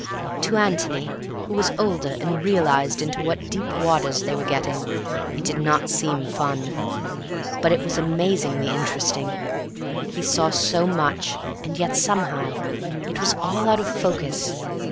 To Antony, who was older and who realized into what deep waters they were getting, it did not seem fun. But it was amazingly interesting. He saw so much, and yet somehow it was all out of focus.